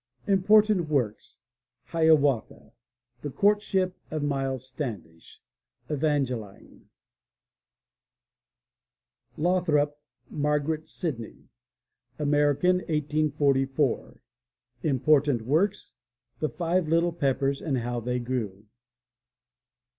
Important Works: Hiawatha. The Courtship oj Miles Standish. Evangeline. LOTHROP, (MARGARET SIDNEY) American 1844 Important Works: The Five Little Peppers and How They Grew.